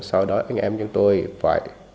sau đó anh em của chúng tôi phải